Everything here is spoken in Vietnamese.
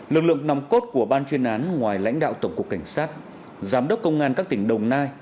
lực lượng nòng cốt của ban chuyên án ngoài lãnh đạo tổng cục cảnh sát giám đốc công an các tỉnh đồng nai